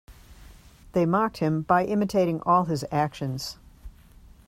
They mocked him by imitating all of his actions.